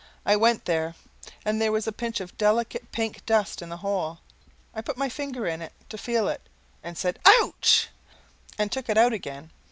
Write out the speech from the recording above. I went there, and there was a pinch of delicate pink dust in the hole. I put my finger in, to feel it, and said OUCH! and took it out again.